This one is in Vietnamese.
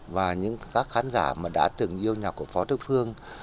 và những khán giả đã từng yêu nhạc của phó đức phương